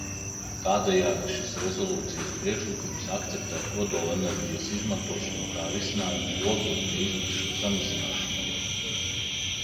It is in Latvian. Tādējādi šis rezolūcijas priekšlikums akceptē kodolenerģijas izmantošanu kā risinājumu oglekļa izmešu samazināšanai.